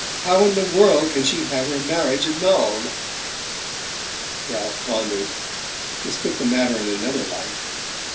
How in the world can she have her marriage annulled?" Ralph pondered: this put the matter in another light.